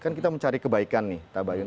kan kita mencari kebaikan nih tabayun